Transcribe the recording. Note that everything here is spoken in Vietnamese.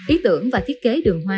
ý tưởng và thiết kế đường hoa